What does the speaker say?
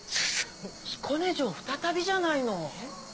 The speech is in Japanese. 彦根城再びじゃないの。